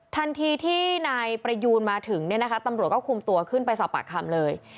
ทันทีที่นายประยูนมาถึงเนี่ยนะคะตำรวจก็คุมตัวขึ้นไปสอบปากคำเลย